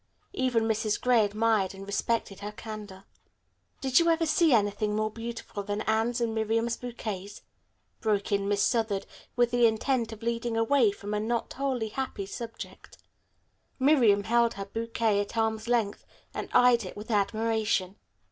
Even Mrs. Gray admired and respected her candor. "Did you ever see anything more beautiful than Anne's and Miriam's bouquets?" broke in Miss Southard, with the intent of leading away from a not wholly happy subject. Miriam held her bouquet at arm's length and eyed it with admiration.